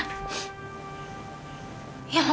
ayah mau mama